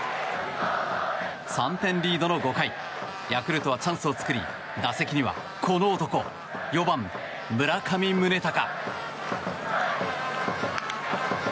３点リードの５回ヤクルトはチャンスを作り打席には、この男４番、村上宗隆。